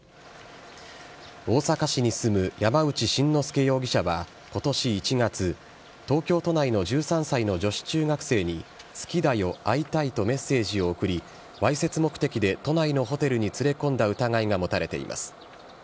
大阪市に住む山内しんのすけ容疑者はことし１月、東京都内の１３歳の女子中学生に、好きだよ、会いたいとメッセージを送り、わいせつ目的で都内のホテルに連れ込んだ疑いが持たれています。